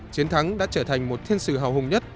chiến thắng đã trở thành một thiên sử hào hùng nhất